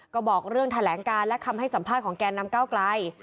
ก็บอกเรื่องแถลงการและคำให้สัมภาษณ์ของแก่นำเก้าไกล